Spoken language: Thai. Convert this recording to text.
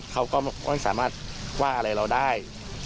เขาก็ไม่สามารถว่าอะไรเราได้